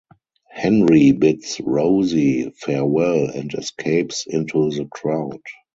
Henry bids Rosie farewell and escapes into the crowd.